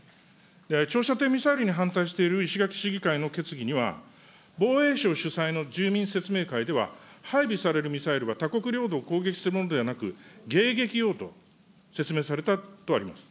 長射程ミサイルに反対している石垣市議会の決議には、防衛省主催の住民説明会では、配備されるミサイルは、他国領土を攻撃するものではなく、迎撃用とと説明されたとあります。